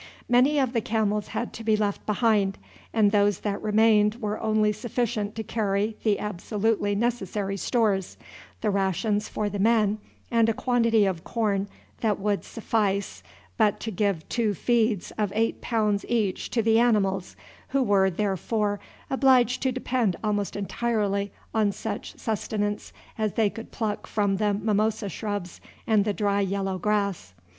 Many of the camels had to be left behind, and those that remained were only sufficient to carry the absolutely necessary stores, the rations for the men, and a quantity of corn that would suffice but to give two feeds of eight pounds each to the animals, who were, therefore, obliged to depend almost entirely on such sustenance as they could pluck from the mimosa shrubs and the dry yellow grass.